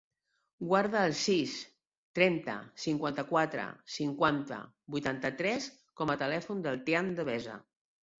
Guarda el sis, trenta, cinquanta-quatre, cinquanta, vuitanta-tres com a telèfon del Tian Devesa.